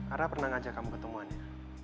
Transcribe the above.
ara pernah ngajak kamu ke temuan ya